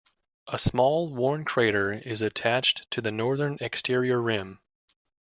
A small worn, crater is attached to the northern exterior rim.